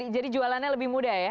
jualannya lebih mudah ya